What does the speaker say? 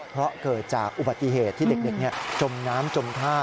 เพราะเกิดจากอุบัติเหตุที่เด็กจมน้ำจมท่า